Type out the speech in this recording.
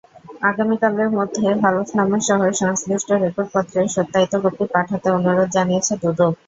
আগামীকালের মধ্যে হলফনামাসহ সংশ্লিষ্ট রেকর্ডপত্রের সত্যায়িত কপি পাঠাতে অনুরোধ জানিয়েছে দুদক।